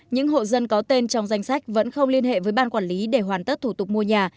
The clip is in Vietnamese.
những hộ dân có tên trong danh sách vẫn không liên hệ với ban quản lý để hoàn tất thủ tục mua nhà